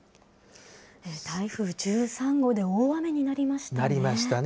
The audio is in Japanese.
台風１３号で大雨になりましたね。